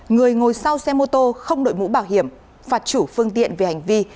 người ngồi sau xe mô tô không đội mũ bảo hiểm phạt chủ phương tiện về hành vi